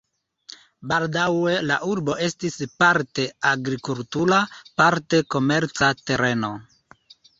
Baldaŭe la urbo estis parte agrikultura, parte komerca tereno.